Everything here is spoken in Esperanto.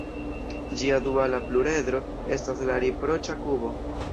Ĝia duala pluredro estas la riproĉa kubo.